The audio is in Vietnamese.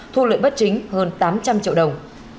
thu lợi bất chính hơn tám trăm linh triệu đồng